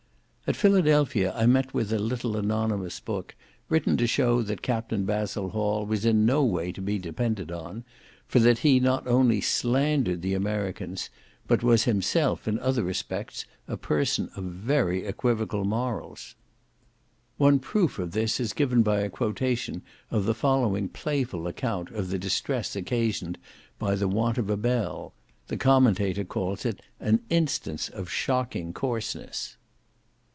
At Philadelphia I met with a little anonymous book, written to show that Capt. Basil Hall was in no way to be depended on, for that he not only slandered the Americans, but was himself, in other respects, a person of very equivocal morals. One proof of this is given by a quotation of the following playful account of the distress occasioned by the want of a bell. The commentator calls it an instance of "shocking coarseness."